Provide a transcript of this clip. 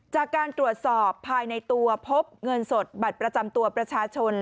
จากการตรวจสอบภายในตัวพบเงินสดบัตรประจำตัวประชาชน